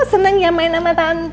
seneng ya main sama tante